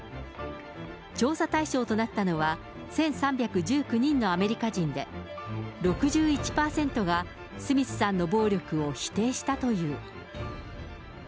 調査対象となったのは、１３１９人のアメリカ人で、６１％がスミスさんの暴力を否定したという。